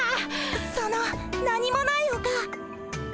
その何もないおか。